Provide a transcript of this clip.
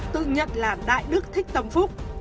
tự nhận là đại đức thích tâm phúc